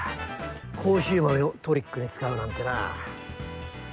コーヒー豆をトリックに使うなんてな。